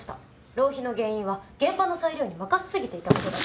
浪費の原因は現場の裁量に任せ過ぎていたことだと。